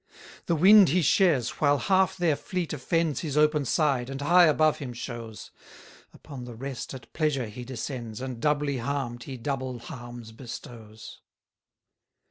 122 The wind he shares, while half their fleet offends His open side, and high above him shows: Upon the rest at pleasure he descends, And doubly harm'd he double harms bestows.